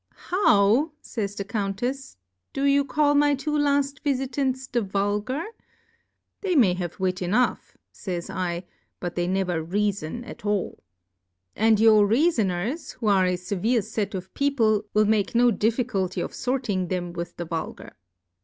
How ! fays the Comitefs^ do you call my two'^laft Vifitants the Vulgar? They Plurality (?/ WORLDS, l6^ They may have Wit enough, fays /, but they never Reafon at all. And your Reafoners, who are a fevere fet of People, will make no DiiBculty of for ting them with the Vulgar.